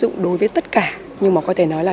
không áp dụng đối với tất cả nhưng mà có thể nói là